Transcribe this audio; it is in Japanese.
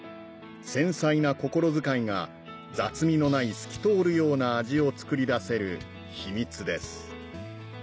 繊細な心遣いが雑味のない透き通るような味を作り出せる秘密です